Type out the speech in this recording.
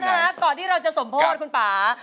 เอาล่ะก่อนที่เราจะสมโพธิ์คุณป่า